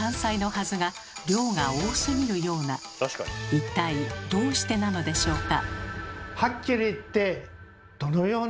一体どうしてなのでしょうか？